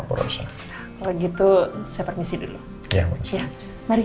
begitu saya permisi dulu ya